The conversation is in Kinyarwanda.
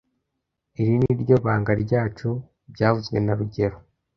Iri ni ryo banga ryacu byavuzwe na rugero